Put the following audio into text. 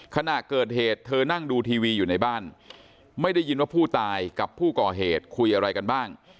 ขณะเกิดเหตุเธอนั่งดูทีวีอยู่ในบ้านไม่ได้ยินว่าผู้ตายกับผู้ก่อเหตุคุยอะไรกันบ้าง